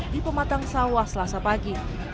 di pematang sawah selasa pagi